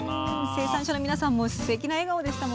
生産者の皆さんもすてきな笑顔でした。